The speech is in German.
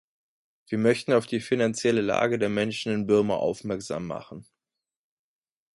Wir möchten auf die finanzielle Lage der Menschen in Birma aufmerksam machen.